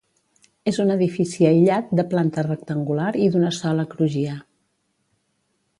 És un edifici aïllat de planta rectangular i d'una sola crugia.